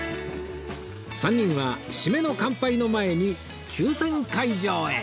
３人は締めの乾杯の前に抽選会場へ